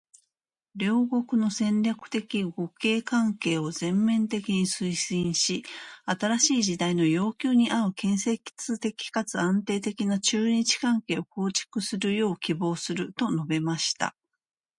「両国の戦略的互恵関係を全面的に推進し、新しい時代の要求に合う建設的かつ安定的な中日関係を構築するよう希望する」と述べました。